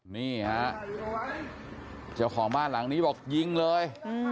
นี่ฮะเจ้าของบ้านหลังนี้บอกยิงเลย